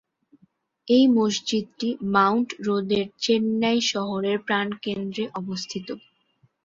এই মসজিদটি মাউন্ট রোডের চেন্নাই শহরের প্রাণকেন্দ্রে অবস্থিত।